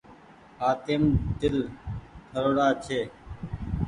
هآتيم دل ٺرو ڙآ ڇي۔